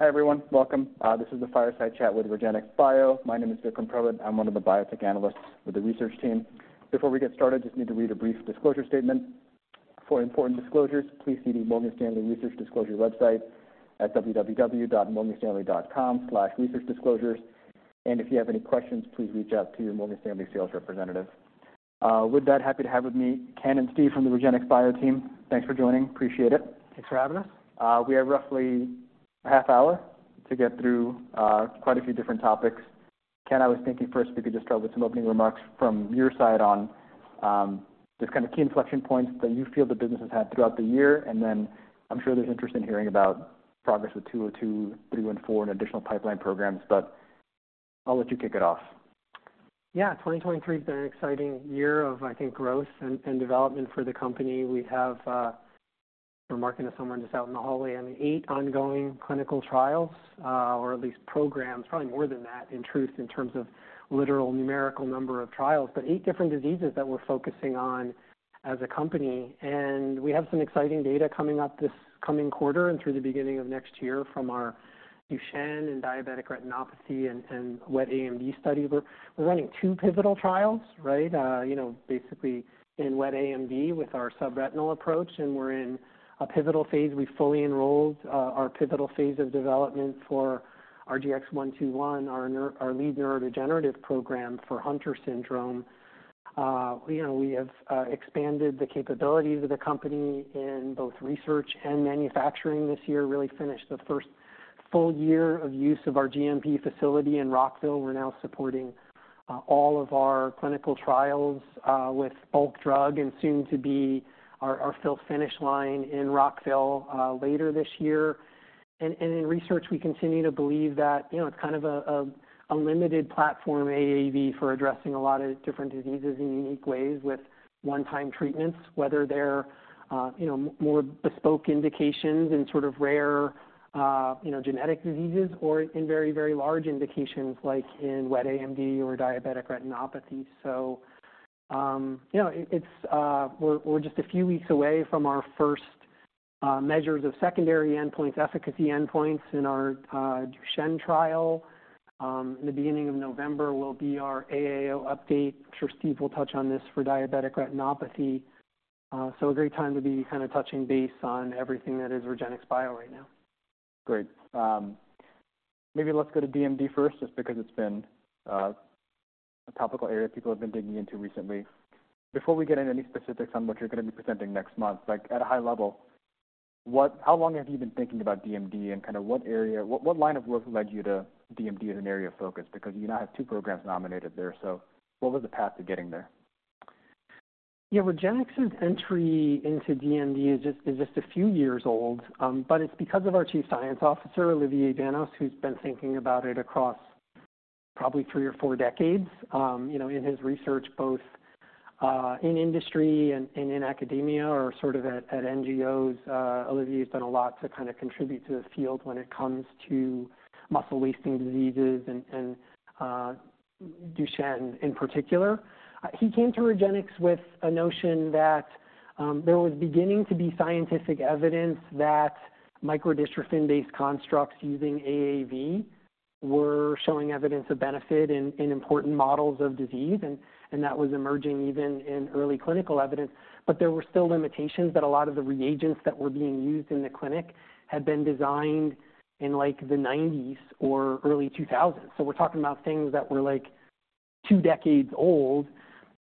Hi, everyone. Welcome. This is the Fireside Chat with REGENXBIO. My name is Vikram Purohit. I'm one of the biotech analysts with the research team. Before we get started, just need to read a brief disclosure statement. For important disclosures, please see the Morgan Stanley Research Disclosure website at www.morganstanley.com/researchdisclosures. If you have any questions, please reach out to your Morgan Stanley sales representative. With that, happy to have with me Ken and Steve from the REGENXBIO team. Thanks for joining. Appreciate it. Thanks for having us. We have roughly a half hour to get through quite a few different topics. Ken, I was thinking first, we could just start with some opening remarks from your side on just kind of key inflection points that you feel the business has had throughout the year. And then I'm sure there's interest in hearing about progress with 202, 314, and additional pipeline programs, but I'll let you kick it off. Yeah. 2023 has been an exciting year of, I think, growth and development for the company. We have, we're marking this somewhere, just out in the hallway, I mean, eight ongoing clinical trials, or at least programs, probably more than that, in truth, in terms of literal numerical number of trials, but eight different diseases that we're focusing on as a company. We have some exciting data coming up this coming quarter and through the beginning of next year from our Duchenne and diabetic retinopathy and wet AMD study. We're running two pivotal trials, right? You know, basically in wet AMD with our subretinal approach, and we're in a pivotal phase. We fully enrolled our pivotal phase of development for RGX-121, our lead neurodegenerative program for Hunter syndrome. You know, we have expanded the capabilities of the company in both research and manufacturing this year. Really finished the first full year of use of our GMP facility in Rockville. We're now supporting all of our clinical trials with bulk drug and soon to be our fill finish line in Rockville later this year. And in research, we continue to believe that, you know, it's kind of a limited platform, AAV, for addressing a lot of different diseases in unique ways with one-time treatments, whether they're, you know, more bespoke indications and sort of rare, you know, genetic diseases, or in very, very large indications, like in wet AMD or diabetic retinopathy. So, you know, we're just a few weeks away from our first measures of secondary endpoints, efficacy endpoints in our Duchenne trial. The beginning of November will be our AAO update. I'm sure Steve will touch on this for diabetic retinopathy. So a great time to be kind of touching base on everything that is REGENXBIO right now. Great. Maybe let's go to DMD first, just because it's been a topical area people have been digging into recently. Before we get into any specifics on what you're going to be presenting next month, like, at a high level, how long have you been thinking about DMD and kind of what line of work led you to DMD as an area of focus? Because you now have two programs nominated there, so what was the path to getting there? Yeah, REGENXBIO's entry into DMD is just a few years old, but it's because of our Chief Scientific Officer, Olivier Danos, who's been thinking about it across probably three or four decades. You know, in his research, both in industry and in academia, or sort of at NGOs. Olivier has done a lot to kind of contribute to the field when it comes to muscle wasting diseases and Duchenne in particular. He came to REGENXBIO with a notion that there was beginning to be scientific evidence that microdystrophin-based constructs using AAV were showing evidence of benefit in important models of disease, and that was emerging even in early clinical evidence. But there were still limitations that a lot of the reagents that were being used in the clinic had been designed in, like, the 1990s or early 2000s. So we're talking about things that were, like, two decades old.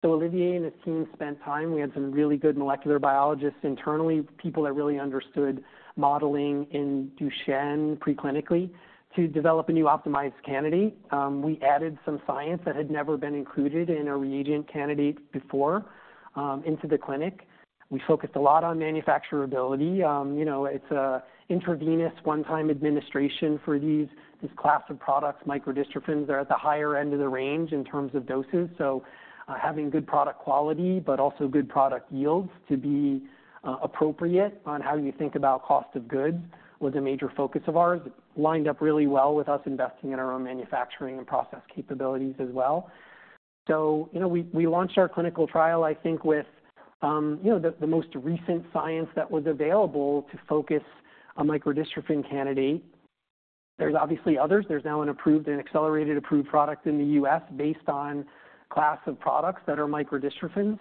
So Olivier and his team spent time. We had some really good molecular biologists internally, people that really understood modeling in Duchenne preclinically, to develop a new optimized candidate. We added some science that had never been included in a reagent candidate before, into the clinic. We focused a lot on manufacturability. You know, it's a intravenous one-time administration for these class of products. Microdystrophins are at the higher end of the range in terms of doses, so, having good product quality but also good product yields to be, appropriate on how you think about cost of goods was a major focus of ours. Lined up really well with us investing in our own manufacturing and process capabilities as well. So, you know, we launched our clinical trial, I think, with, you know, the most recent science that was available to focus on microdystrophin candidate. There's obviously others. There's now an approved, an accelerated-approval product in the U.S. based on class of products that are microdystrophins.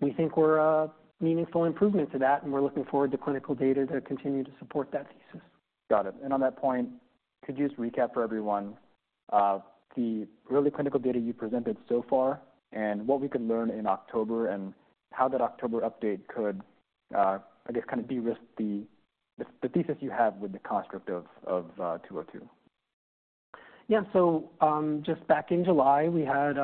We think we're a meaningful improvement to that, and we're looking forward to clinical data that continue to support that thesis. Got it. And on that point, could you just recap for everyone the early clinical data you presented so far and what we can learn in October, and how that October update could, I guess, kind of de-risk the thesis you have with the construct of 202? Yeah. So, just back in July, we had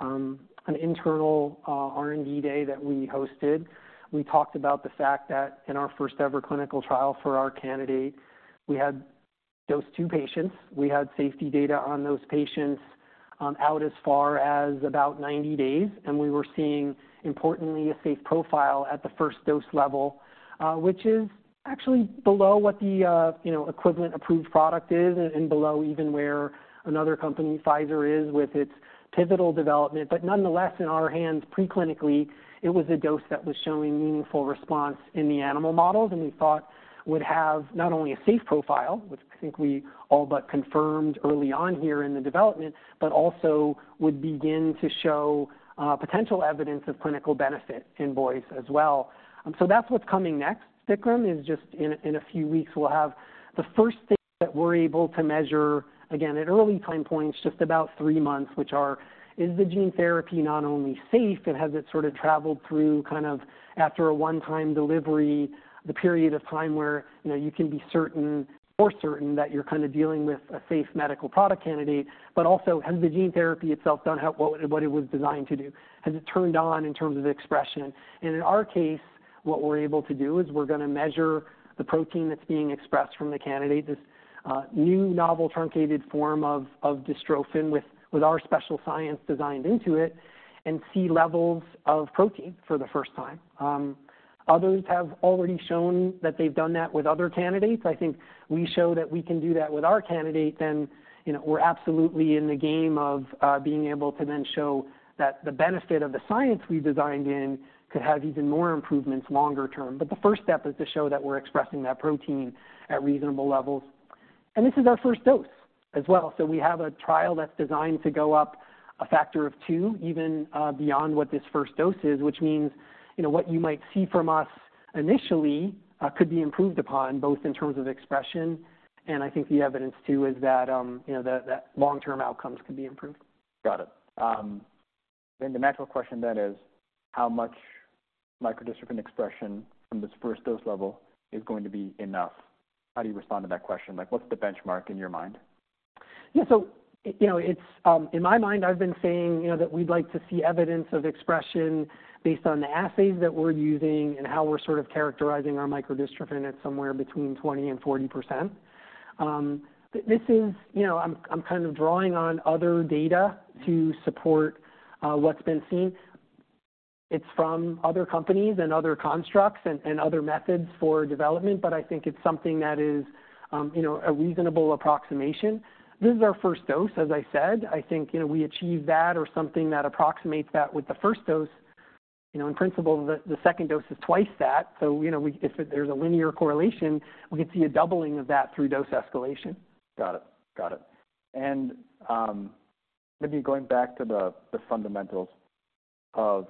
an internal R&D day that we hosted. We talked about the fact that in our first-ever clinical trial for our candidate, we had dosed 2 patients. We had safety data on those patients out as far as about 90 days, and we were seeing, importantly, a safe profile at the first dose level, which is actually below what the, you know, equivalent approved product is and below even where another company, Pfizer, is with its pivotal development. But nonetheless, in our hands, pre-clinically, it was a dose that was showing meaningful response in the animal models, and we thought would have not only a safe profile, which I think we all but confirmed early on here in the development, but also would begin to show potential evidence of clinical benefit in boys as well. And so that's what's coming next, Vikram, is just in a few weeks, we'll have the first thing that we're able to measure, again, at early time points, just about three months, which is the gene therapy not only safe and has it sort of traveled through kind of after a one-time delivery, the period of time where, you know, you can be certain that you're kind of dealing with a safe medical product candidate? But also, has the gene therapy itself done what it was designed to do? Has it turned on in terms of expression? And in our case, what we're able to do is we're gonna measure the protein that's being expressed from the candidate, this new novel truncated form of dystrophin with our special science designed into it, and see levels of protein for the first time. Others have already shown that they've done that with other candidates. I think we show that we can do that with our candidate, then, you know, we're absolutely in the game of being able to then show that the benefit of the science we designed in could have even more improvements longer term. But the first step is to show that we're expressing that protein at reasonable levels. And this is our first dose as well. So we have a trial that's designed to go up a factor of 2, even, beyond what this first dose is, which means, you know, what you might see from us initially, could be improved upon, both in terms of expression, and I think the evidence, too, is that, you know, the long-term outcomes can be improved. Got it. Then the natural question then is, how much microdystrophin expression from this first dose level is going to be enough? How do you respond to that question? Like, what's the benchmark in your mind. Yeah. So, you know, it's in my mind, I've been saying, you know, that we'd like to see evidence of expression based on the assays that we're using and how we're sort of characterizing our microdystrophin, and it's somewhere between 20%-40%. But this is. You know, I'm kind of drawing on other data to support what's been seen. It's from other companies and other constructs and other methods for development, but I think it's something that is, you know, a reasonable approximation. This is our first dose, as I said. I think, you know, we achieve that or something that approximates that with the first dose. You know, in principle, the second dose is twice that. So, you know, we, if there's a linear correlation, we could see a doubling of that through dose escalation. Got it. Got it. And, maybe going back to the fundamentals of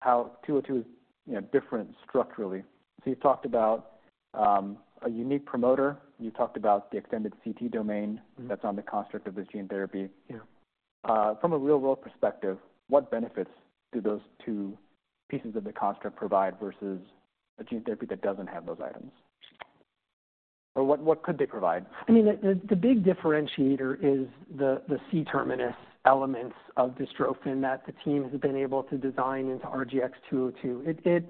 how 202 is, you know, different structurally. So you talked about a unique promoter. You talked about the extended CT domain. Mm-hmm. That's on the construct of this gene therapy. Yeah. From a real-world perspective, what benefits do those two pieces of the construct provide versus a gene therapy that doesn't have those items? Or what could they provide? I mean, the big differentiator is the C-terminal elements of dystrophin that the team has been able to design into RGX-202.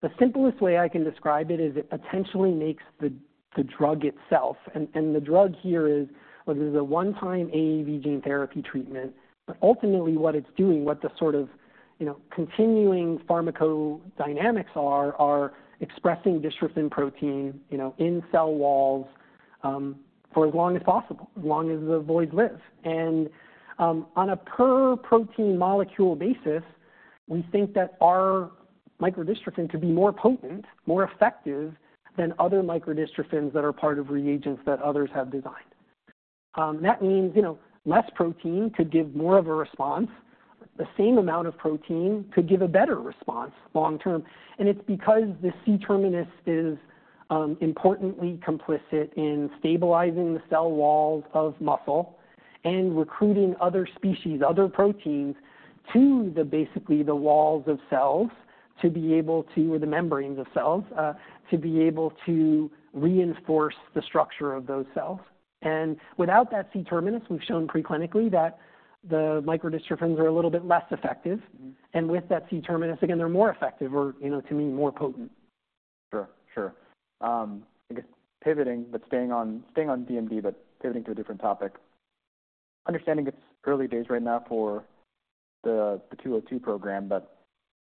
The simplest way I can describe it is it potentially makes the drug itself, and the drug here is, well, this is a one-time AAV gene therapy treatment. But ultimately, what it's doing, what the sort of, you know, continuing pharmacodynamics are, are expressing dystrophin protein, you know, in cell walls, for as long as possible, as long as the vector lives. And on a per protein molecule basis, we think that our microdystrophin could be more potent, more effective than other microdystrophins that are part of regimens that others have designed. That means, you know, less protein could give more of a response. The same amount of protein could give a better response long term, and it's because the C terminus is importantly complicit in stabilizing the cell walls of muscle and recruiting other species, other proteins, to the walls of cells or the membranes of cells, to be able to reinforce the structure of those cells. And without that C terminus, we've shown preclinically that the microdystrophins are a little bit less effective. Mm-hmm. With that C-terminus, again, they're more effective or, you know, to me, more potent. Sure, sure. I guess pivoting, but staying on, staying on DMD, but pivoting to a different topic. Understanding it's early days right now for the 202 program, but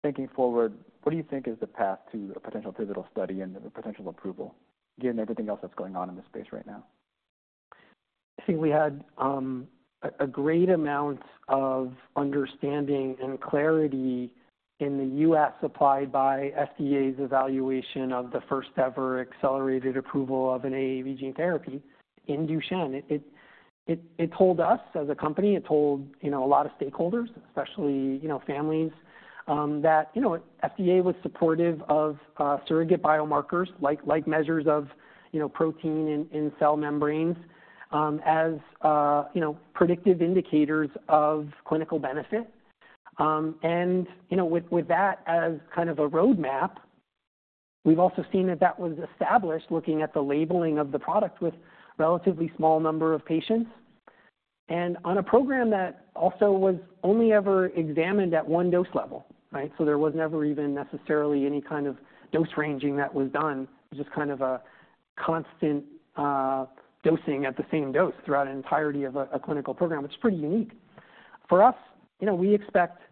thinking forward, what do you think is the path to a potential pivotal study and the potential approval, given everything else that's going on in this space right now? I think we had a great amount of understanding and clarity in the U.S. applied by FDA's evaluation of the first-ever accelerated approval of an AAV gene therapy in Duchenne. It told us as a company, it told you know a lot of stakeholders, especially you know families that you know FDA was supportive of surrogate biomarkers like measures of you know protein in cell membranes as you know predictive indicators of clinical benefit. And you know with that as kind of a roadmap, we've also seen that that was established looking at the labeling of the product with relatively small number of patients. And on a program that also was only ever examined at one dose level, right? There was never even necessarily any kind of dose ranging that was done, just kind of a constant, dosing at the same dose throughout the entirety of a clinical program. It's pretty unique. For us, you know, we expect,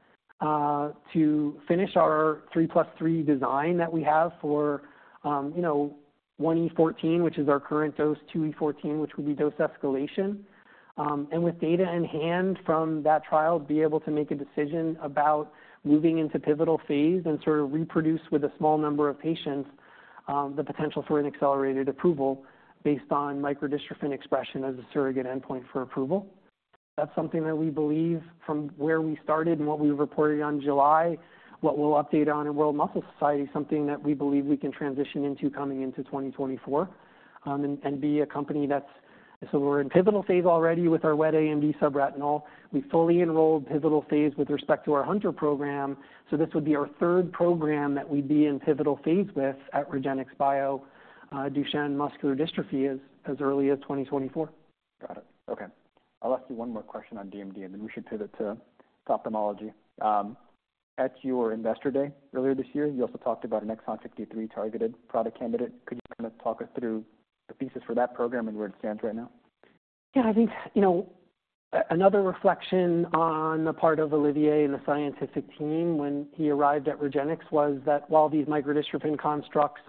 to finish our 3 + 3 design that we have for, you know, 1E14, which is our current dose, 2E14, which would be dose escalation. And with data in hand from that trial, be able to make a decision about moving into pivotal phase and sort of reproduce with a small number of patients, the potential for an accelerated approval based on microdystrophin expression as a surrogate endpoint for approval. That's something that we believe from where we started and what we reported on July, what we'll update on in World Muscle Society, something that we believe we can transition into coming into 2024. And be a company that's... So we're in pivotal phase already with our wet AMD subretinal. We fully enrolled pivotal phase with respect to our Hunter program. So this would be our third program that we'd be in pivotal phase with at REGENXBIO, Duchenne muscular dystrophy as early as 2024. Got it. Okay. I'll ask you one more question on DMD, and then we should pivot to ophthalmology. At your investor day earlier this year, you also talked about an exon 53 targeted product candidate. Could you kind of talk us through the thesis for that program and where it stands right now? Yeah, I think, you know, another reflection on the part of Olivier and the scientific team when he arrived at REGENXBIO was that while these microdystrophin constructs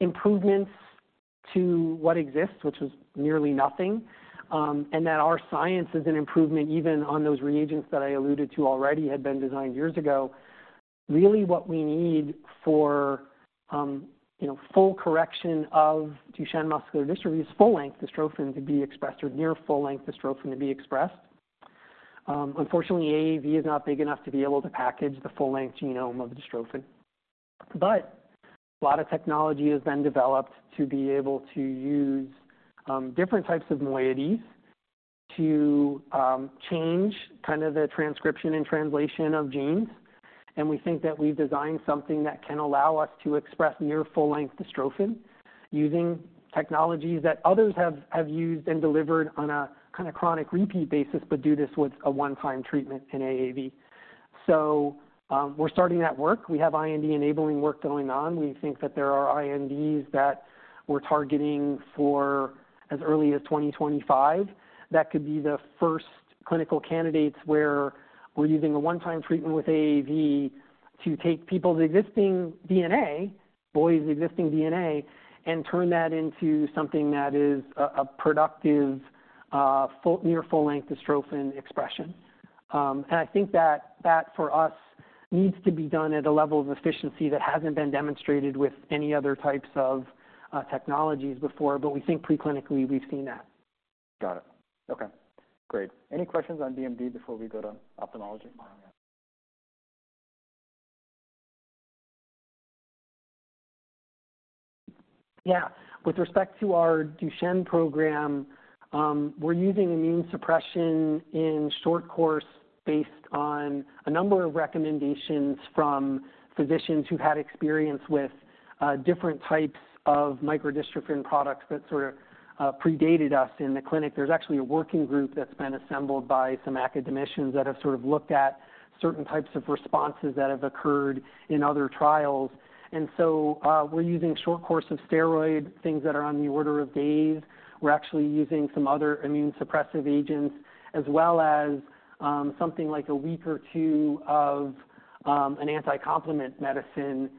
are improvements to what exists, which is nearly nothing, and that our science is an improvement, even on those reagents that I alluded to already had been designed years ago. Really, what we need for, you know, full correction of Duchenne muscular dystrophy is full length dystrophin to be expressed or near full length dystrophin to be expressed. Unfortunately, AAV is not big enough to be able to package the full length genome of the dystrophin. But a lot of technology has been developed to be able to use different types of moieties to change kind of the transcription and translation of genes. We think that we've designed something that can allow us to express near full-length dystrophin using technologies that others have used and delivered on a kind of chronic repeat basis, but do this with a one-time treatment in AAV. We're starting that work. We have IND-enabling work going on. We think that there are INDs that we're targeting for as early as 2025. That could be the first clinical candidates where we're using a one-time treatment with AAV to take people's existing DNA, boys' existing DNA, and turn that into something that is a productive full near full-length dystrophin expression. I think that that for us needs to be done at a level of efficiency that hasn't been demonstrated with any other types of technologies before, but we think preclinically, we've seen that. Got it. Okay, great. Any questions on DMD before we go to ophthalmology? Yeah. With respect to our Duchenne program, we're using immune suppression in short course based on a number of recommendations from physicians who've had experience with different types of microdystrophin products that sort of predated us in the clinic. There's actually a working group that's been assembled by some academicians that have sort of looked at certain types of responses that have occurred in other trials. And so, we're using short course of steroid, things that are on the order of days. We're actually using some other immune suppressive agents, as well as something like a week or two of an anticomplement medicine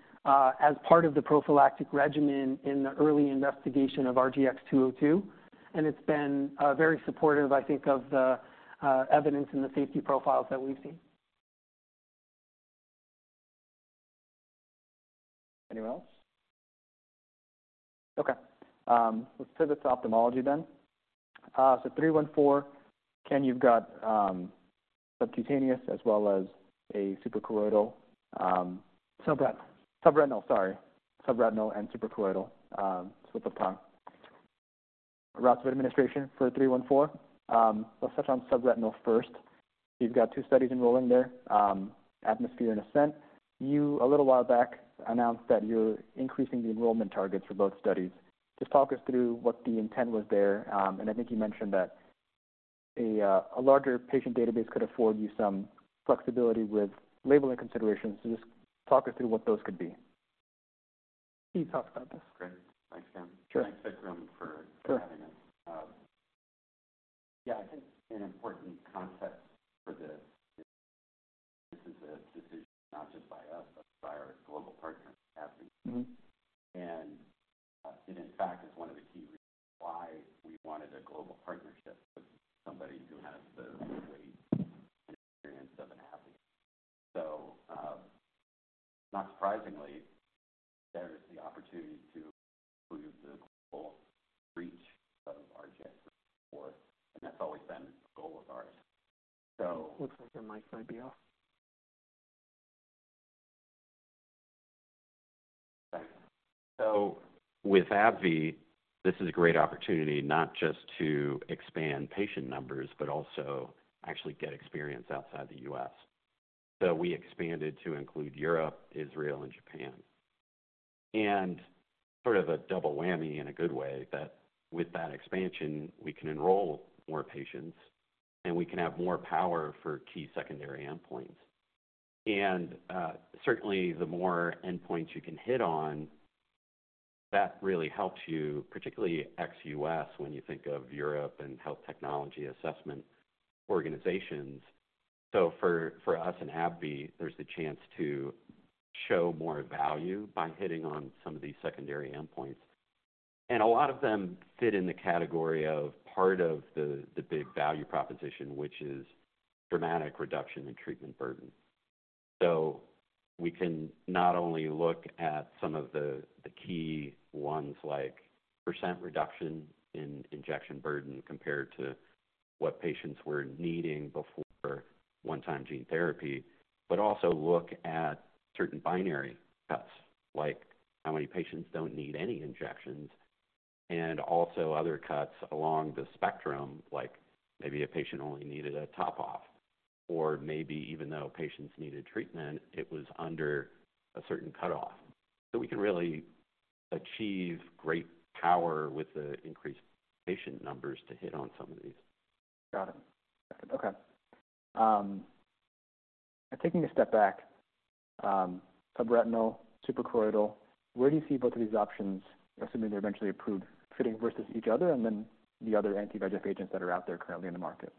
as part of the prophylactic regimen in the early investigation of RGX-202. And it's been very supportive, I think, of the evidence and the safety profiles that we've seen. Anyone else? Okay, let's pivot to ophthalmology then. So 314, Ken, you've got subcutaneous as well as a suprachoroidal, Subret- Subretinal, sorry. Subretinal and suprachoroidal, routes of administration for 314. Let's touch on subretinal first. You've got two studies enrolling there, AATMOSPHERE and ASCENT. You, a little while back, announced that you're increasing the enrollment targets for both studies. Just talk us through what the intent was there. And I think you mentioned that a larger patient database could afford you some flexibility with labeling considerations. So just talk us through what those could be. Can you talk about this? Great. Thanks, Ken. Sure. Thanks, Vikram, for- Sure -having us. Yeah, I think an important concept for this is this is a decision not just by us, but by our global partner, AbbVie. Mm-hmm. It in fact is one of the key reasons why we wanted a global partnership with somebody who has the great experience of AbbVie. So, not surprisingly, there is the opportunity to improve the global reach of RGX-314, and that's always been a goal of ours. Looks like your mic might be off. So with AbbVie, this is a great opportunity not just to expand patient numbers, but also actually get experience outside the US. So we expanded to include Europe, Israel, and Japan... and sort of a double whammy in a good way, that with that expansion, we can enroll more patients, and we can have more power for key secondary endpoints. And certainly the more endpoints you can hit on, that really helps you, particularly ex-US, when you think of Europe and health technology assessment organizations. So for us in AbbVie, there's the chance to show more value by hitting on some of these secondary endpoints. And a lot of them fit in the category of part of the big value proposition, which is dramatic reduction in treatment burden. So we can not only look at some of the key ones, like % reduction in injection burden compared to what patients were needing before one-time gene therapy, but also look at certain binary cuts, like how many patients don't need any injections, and also other cuts along the spectrum, like maybe a patient only needed a top off, or maybe even though patients needed treatment, it was under a certain cutoff. So we can really achieve great power with the increased patient numbers to hit on some of these. Got it. Okay. Taking a step back, subretinal, suprachoroidal, where do you see both of these options, assuming they're eventually approved, fitting versus each other, and then the other anti-VEGF agents that are out there currently in the market?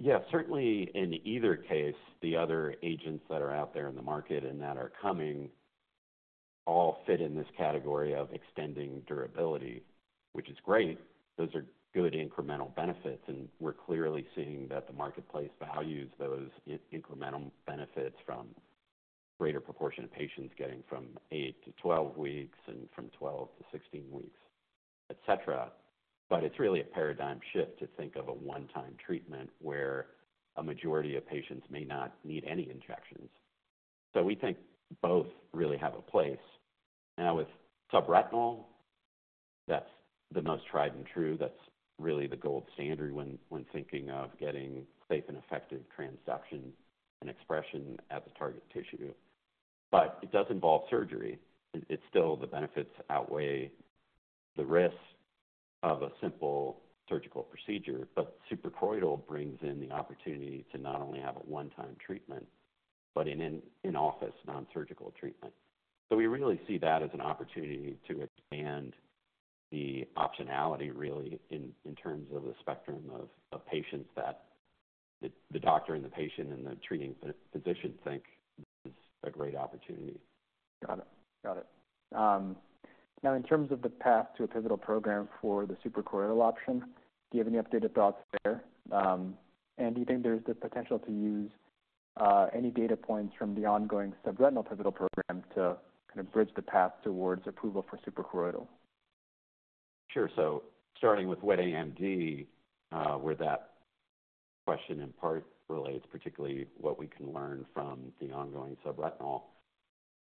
Yeah, certainly in either case, the other agents that are out there in the market and that are coming all fit in this category of extending durability, which is great. Those are good incremental benefits, and we're clearly seeing that the marketplace values those incremental benefits from greater proportion of patients getting from 8-12 weeks and from 12-16 weeks, et cetera. But it's really a paradigm shift to think of a one-time treatment where a majority of patients may not need any injections. So we think both really have a place. Now, with subretinal, that's the most tried and true. That's really the gold standard when thinking of getting safe and effective transduction and expression at the target tissue. But it does involve surgery. It's still the benefits outweigh the risks of a simple surgical procedure, but suprachoroidal brings in the opportunity to not only have a one-time treatment, but an in-office non-surgical treatment. So we really see that as an opportunity to expand the optionality, really, in terms of the spectrum of patients that the doctor and the patient and the treating physician think is a great opportunity. Got it. Got it. Now, in terms of the path to a pivotal program for the suprachoroidal option, do you have any updated thoughts there? And do you think there's the potential to use any data points from the ongoing subretinal pivotal program to kind of bridge the path towards approval for suprachoroidal? Sure. So starting with wet AMD, where that question in part relates, particularly what we can learn from the ongoing subretinal,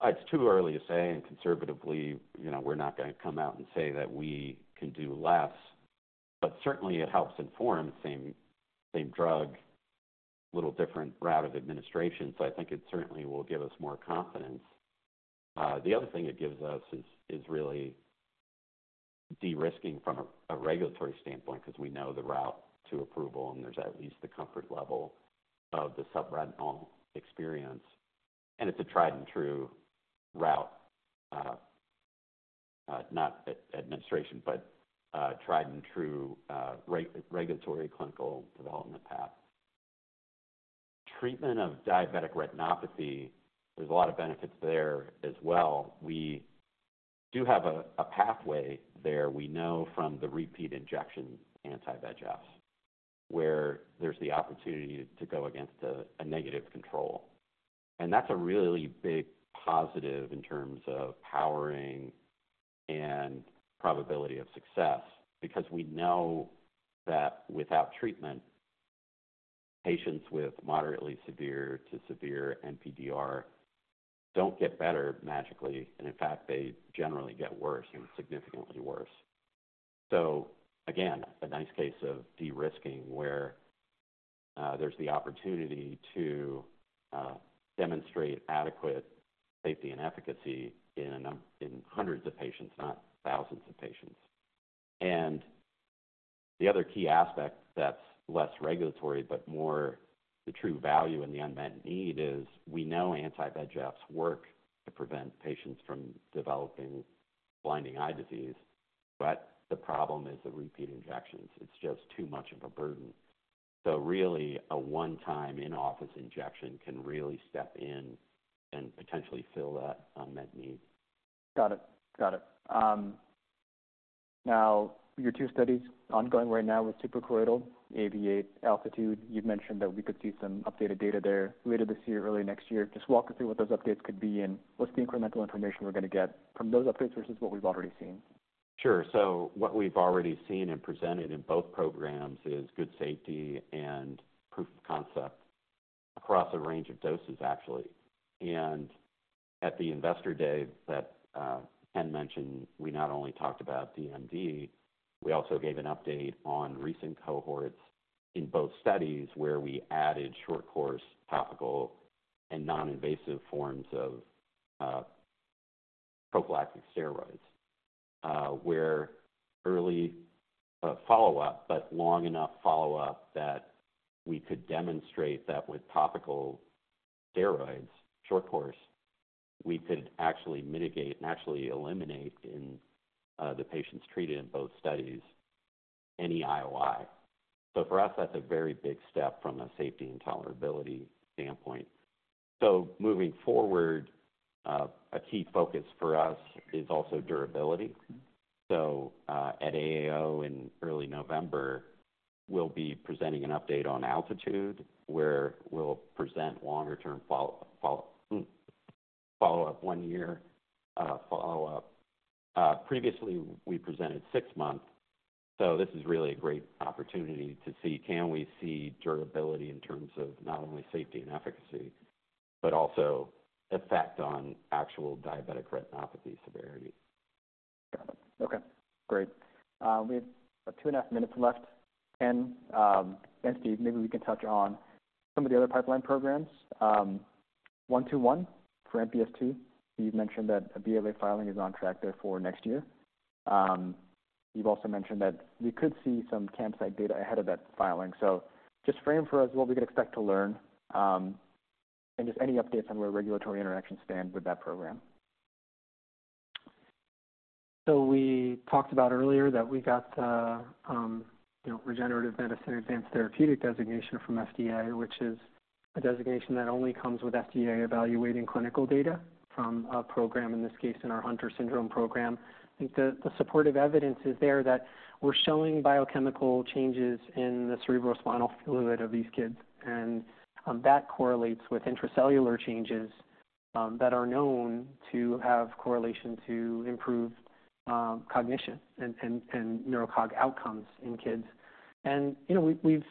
it's too early to say, and conservatively, you know, we're not going to come out and say that we can do less, but certainly it helps inform the same, same drug, little different route of administration. So I think it certainly will give us more confidence. The other thing it gives us is really de-risking from a regulatory standpoint, because we know the route to approval, and there's at least the comfort level of the subretinal experience, and it's a tried-and-true route, not administration, but tried-and-true regulatory clinical development path. Treatment of diabetic retinopathy, there's a lot of benefits there as well. We do have a pathway there. We know from the repeat injection anti-VEGF, where there's the opportunity to go against a negative control. That's a really big positive in terms of powering and probability of success, because we know that without treatment, patients with moderately severe to severe NPDR don't get better magically, and in fact, they generally get worse and significantly worse. Again, a nice case of de-risking, where there's the opportunity to demonstrate adequate safety and efficacy in hundreds of patients, not thousands of patients. The other key aspect that's less regulatory, but more the true value and the unmet need is, we know anti-VEGFs work to prevent patients from developing blinding eye disease, but the problem is the repeat injections. It's just too much of a burden. Really, a one-time in-office injection can really step in and potentially fill that unmet need. Got it. Got it. Now, your two studies ongoing right now with suprachoroidal, AAVIATE, ALTITUDE, you've mentioned that we could see some updated data there later this year, early next year. Just walk us through what those updates could be and what's the incremental information we're going to get from those updates versus what we've already seen? Sure. So what we've already seen and presented in both programs is good safety and proof of concept across a range of doses, actually. And at the Investor Day that Ken mentioned, we not only talked about DMD, we also gave an update on recent cohorts in both studies where we added short course, topical and non-invasive forms of prophylactic steroids, where early follow-up, but long enough follow-up, that we could demonstrate that with topical steroids, short course, we could actually mitigate and actually eliminate in the patients treated in both studies, any IOI. So for us, that's a very big step from a safety and tolerability standpoint. So moving forward, a key focus for us is also durability. So, at AAO in early November, we'll be presenting an update on ALTITUDE, where we'll present longer term follow-up, one year follow-up. Previously we presented six months, so this is really a great opportunity to see, can we see durability in terms of not only safety and efficacy, but also effect on actual diabetic retinopathy severity? Okay, great. We have 2.5 minutes left. And Steve, maybe we can touch on some of the other pipeline programs. 121, for MPS II, you've mentioned that a BLA filing is on track there for next year. You've also mentioned that we could see some campsite data ahead of that filing. So just frame for us what we could expect to learn, and just any updates on where regulatory interactions stand with that program. So we talked about earlier that we got, you know, Regenerative Medicine Advanced Therapy designation from FDA, which is a designation that only comes with FDA evaluating clinical data from a program, in this case, in our Hunter syndrome program. I think the supportive evidence is there that we're showing biochemical changes in the cerebrospinal fluid of these kids, and that correlates with intracellular changes that are known to have correlation to improved cognition and neurocognitive outcomes in kids. You know, we've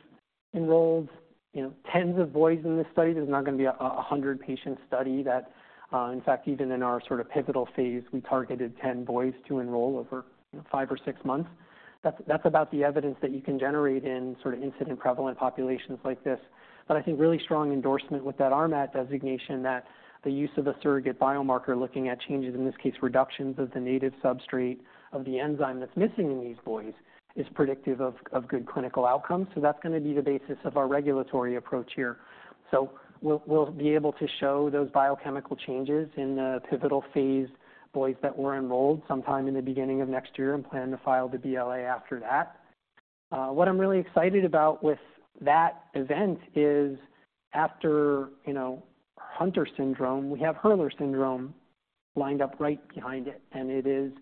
enrolled, you know, tens of boys in this study. This is not gonna be a 100-patient study. In fact, even in our sort of pivotal phase, we targeted 10 boys to enroll over, you know, 5 or 6 months. That's about the evidence that you can generate in sort of incidence prevalent populations like this. But I think really strong endorsement with that RMAT designation, that the use of a surrogate biomarker, looking at changes, in this case, reductions of the native substrate of the enzyme that's missing in these boys, is predictive of good clinical outcomes. So that's gonna be the basis of our regulatory approach here. So we'll be able to show those biochemical changes in the pivotal phase boys that were enrolled sometime in the beginning of next year and plan to file the BLA after that. What I'm really excited about with that event is after, you know, Hunter syndrome, we have Hurler syndrome lined up right behind it, and it is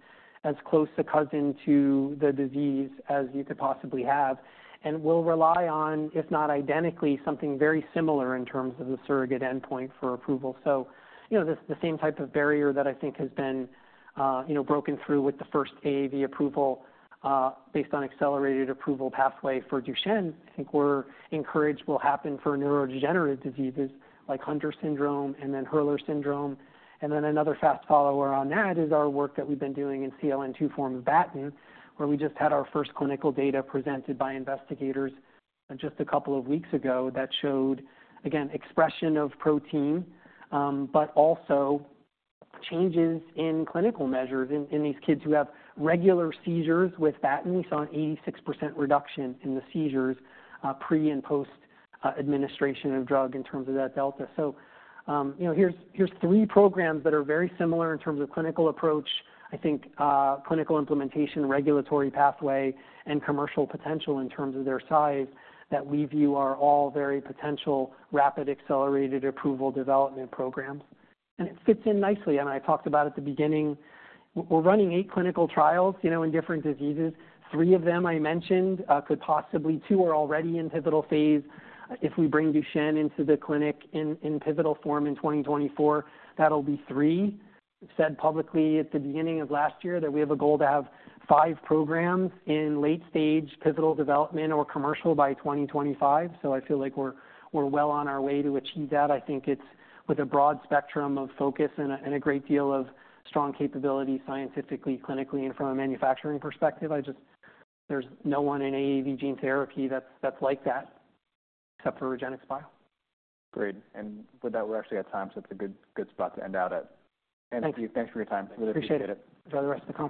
as close a cousin to the disease as you could possibly have. And we'll rely on, if not identically, something very similar in terms of the surrogate endpoint for approval. So, you know, the same type of barrier that I think has been, you know, broken through with the first AAV approval, based on accelerated approval pathway for Duchenne, I think we're encouraged will happen for neurodegenerative diseases like Hunter syndrome and then Hurler syndrome. And then another fast follower on that is our work that we've been doing in CLN2 form of Batten, where we just had our first clinical data presented by investigators just a couple of weeks ago, that showed, again, expression of protein, but also changes in clinical measures in these kids who have regular seizures. With Batten, we saw an 86% reduction in the seizures, pre- and post-administration of drug in terms of that delta. So, you know, here's three programs that are very similar in terms of clinical approach. I think, clinical implementation, regulatory pathway, and commercial potential in terms of their size, that we view are all very potential rapid, accelerated approval development programs. And it fits in nicely, and I talked about at the beginning, we're running eight clinical trials, you know, in different diseases. Three of them I mentioned, could possibly. Two are already in pivotal phase. If we bring Duchenne into the clinic in pivotal form in 2024, that'll be three. Said publicly at the beginning of last year, that we have a goal to have five programs in late-stage pivotal development or commercial by 2025. So I feel like we're well on our way to achieve that. I think it's with a broad spectrum of focus and a great deal of strong capability scientifically, clinically, and from a manufacturing perspective. I just, there's no one in AAV gene therapy that's like that, except for REGENXBIO. Great, and with that, we're actually at time, so it's a good, good spot to end out at. Thank you. Thanks for your time. Appreciate it. Enjoy the rest of the conference.